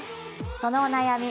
そのお悩み